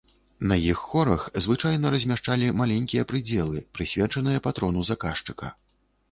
На іх хорах звычайна размяшчалі маленькія прыдзелы, прысвечаныя патрону заказчыка.